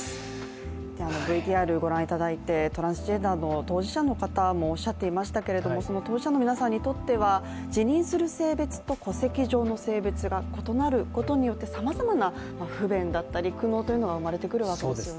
ＶＴＲをご覧いただいて、トランスジェンダーの当事者の方もおっしゃってましたけど当事者の皆さんにとっては、自認する性別と戸籍上の性別が異なることによってさまざまな不便だったり、苦悩というのが生まれてくるんですよね。